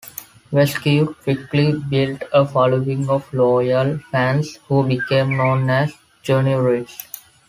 Vasquez quickly built a following of loyal fans who became known as "Juniorites".